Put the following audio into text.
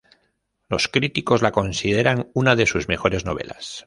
Los críticos la consideran una de sus mejores novelas.